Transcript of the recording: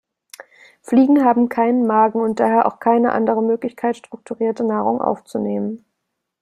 Fliegen haben keinen Magen und daher auch keine andere Möglichkeit, strukturierte Nahrung aufzunehmen.